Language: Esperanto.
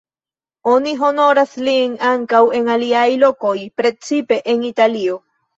Oni honoras lin ankaŭ en aliaj lokoj, precipe en Italio.